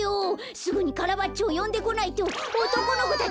すぐにカラバッチョをよんでこないとおとこの子たち